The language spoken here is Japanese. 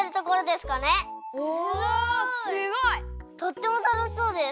すごい！とってもたのしそうです。